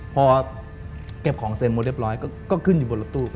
พอเก็บของเสร็จหมดเรียบร้อยก็ขึ้นอยู่บนรถตู้